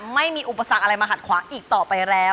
ไม่มีอุปสรรคอะไรมาหัดขวางอีกต่อไปแล้ว